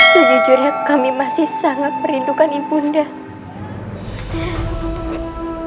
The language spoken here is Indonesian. sejujurnya kami masih sangat merindukan ibu nde